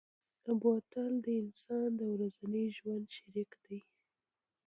بوتل د انسان د ورځني ژوند شریک دی.